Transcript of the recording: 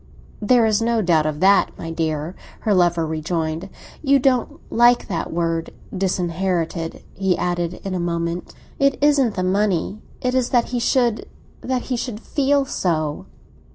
"There is no doubt of that, my dear!" her lover rejoined. "You don't like that word 'disinherited,'" he added in a moment. "It isn't the money; it is that he should—that he should feel so."